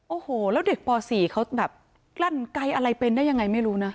โอ้โหแล้วเด็กป๔เขาแบบกลั้นไกลอะไรเป็นได้ยังไงไม่รู้นะ